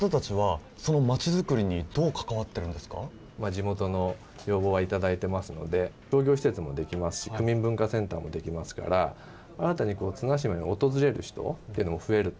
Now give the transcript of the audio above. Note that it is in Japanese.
地元の要望は頂いてますので商業施設もできますし区民文化センターもできますから新たに綱島に訪れる人っていうのも増えると思うんですよね。